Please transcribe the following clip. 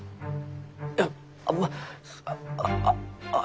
いやまあああ